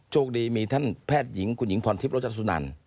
โชคดีมีท่านแพทย์หญิงคุณหญิงพรทิพย์โรจสุนัน